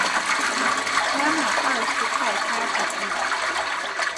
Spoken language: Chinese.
拉玛二世派他抵御。